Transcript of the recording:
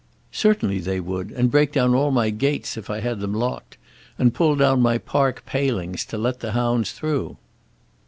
"Certainly they would, and break down all my gates if I had them locked, and pull down my park palings to let the hounds through."